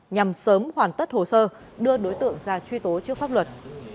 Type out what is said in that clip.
nhằm sớm hoàn tất hồ sơ đưa đối tượng ra truy tố trước pháp luật